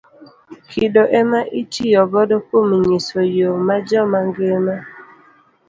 Kido ema itiyo godo kuom nyiso yoo ne joma ngima.